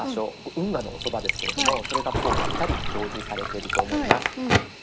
運河のそばですけれどもそれがぴったり表示されてると思います。